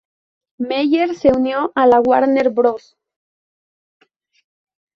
Meyer se unió a la Warner Bros.